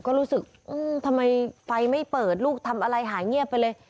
ก็รู้สึกทำไมไฟไม่เปิดลูกทำอะไรหายเงียบไปเลย